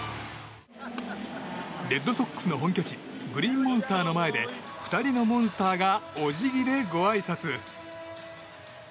レッドソックスの本拠地グリーンモンスターの前で２人のモンスターがお辞儀で、ごあいさつ。